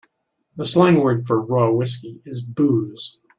The slang word for raw whiskey is booze.